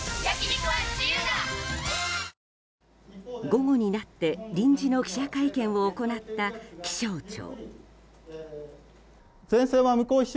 午後になって臨時の記者会見を行った気象庁。